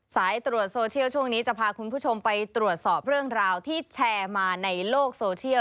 สายตรวจโซเชียลช่วงนี้จะพาคุณผู้ชมไปตรวจสอบเรื่องราวที่แชร์มาในโลกโซเชียล